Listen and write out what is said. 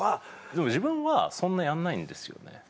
でも自分はそんなやんないんですよね。